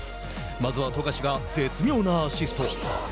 まずは富樫が絶妙なアシスト。